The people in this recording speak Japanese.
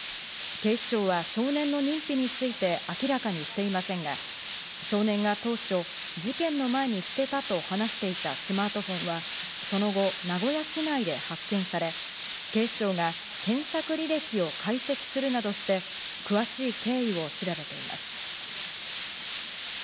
警視庁は少年の認否について明らかにしていませんが、少年が当初、事件の前に捨てたと話していたスマートフォンは、その後、名古屋市内で発見され、警視庁が検索履歴を解析するなどして、詳しい経緯を調べています。